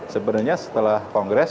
sebenarnya setelah kongres